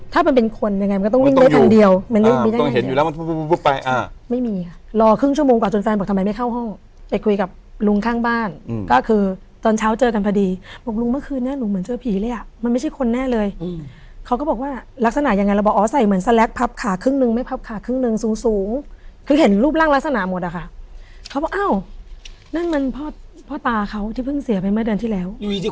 ทำไมไม่เข้าห้องไปคุยกับลุงข้างบ้านก็คือตอนเช้าเจอกันพอดีบอกลุงเมื่อคืนนี้ลุงเหมือนเจอผีเลยอ่ะมันไม่ใช่คนแน่เลยเขาก็บอกว่ารักษณะยังไงเราบอกอ๋อใส่เหมือนสแลกพับขาครึ่งนึงไม่พับขาครึ่งนึงสูงคือเห็นรูปร่างลักษณะหมดอ่ะค่ะเขาบอกอ้าวนั่นมันพ่อตาเขาที่เพิ่งเสียไปเมื่อเดือนที่แล